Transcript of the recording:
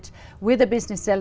gọi là brainport